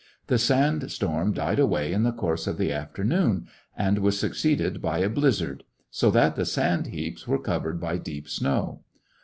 The sand storm died away in the course of the afternoon^ and was succeeded by a bliz zard^ so that the sand heaps were covered by ^ deep snow.